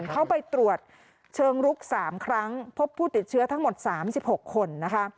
เข้าไปตรวจเชิงลุก๓ครั้งพบผู้ติดเชื้อทั้งหมด๓๖คนนะคะ